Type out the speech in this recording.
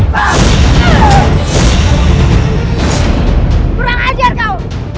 kurang ajar kau